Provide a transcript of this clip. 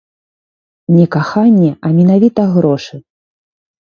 Не каханне, а менавіта грошы.